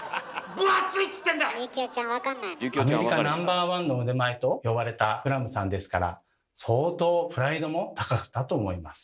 「アメリカナンバーワンの腕前」と呼ばれたクラムさんですから相当プライドも高かったと思います。